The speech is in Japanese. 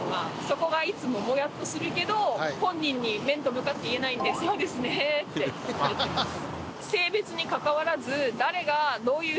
そこがいつももやっとするけど本人に面と向かって言えないんでそうですねって言ってます。